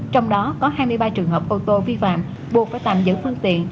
trong đó có hai mươi ba trường hợp ô tô vi phạm buộc phải tạm giữ phương tiện